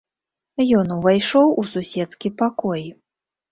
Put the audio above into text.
Ён увайшоў у суседскі пакой.